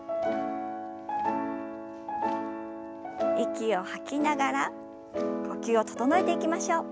息を吐きながら呼吸を整えていきましょう。